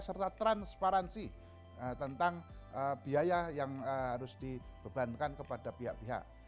serta transparansi tentang biaya yang harus dibebankan kepada pihak pihak